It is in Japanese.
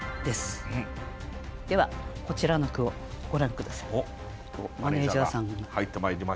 ではこちらの句をご覧下さい。